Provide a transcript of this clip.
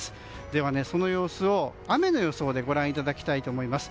では、その様子を雨の予想でご覧いただきます。